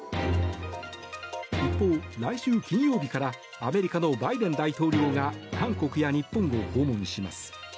一方、来週金曜日からアメリカのバイデン大統領が韓国や日本を訪問します。